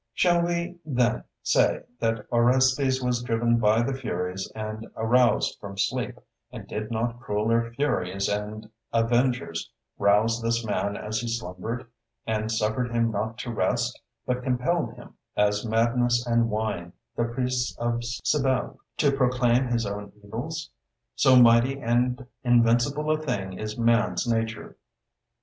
Shall we, then, say that Orestes was driven by the Furies and aroused from sleep, and did not crueller Furies and Avengers rouse this man as he slumbered, and suffered him not to rest, but compelled him, as madness and wine the priests of Cybele, to proclaim his own evils? So mighty and invincible a thing is man's nature.